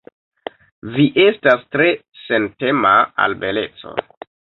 Vi estas tre sentema al beleco.